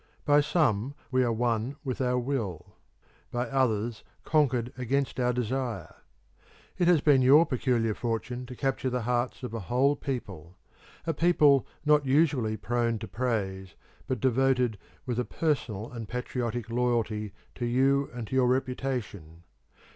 By some we are won with our will, by others conquered against our desire. It has been your peculiar fortune to capture the hearts of a whole people a people not usually prone to praise, but devoted with a personal and patriotic loyalty to you and to your reputation.